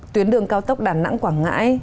tuyến đường cao tốc đà nẵng quảng ngãi